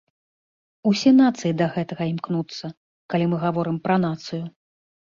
Усе нацыі да гэтага імкнуцца, калі мы гаворым пра нацыю.